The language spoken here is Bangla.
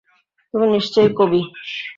তুমি নিশ্চয়ই কবি।